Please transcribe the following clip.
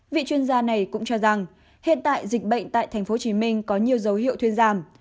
vị chuyên gia này cũng cho rằng hiện tại dịch bệnh tại tp hcm có nhiều dấu hiệu thuyên giảm